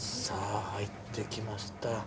さあ入ってきました。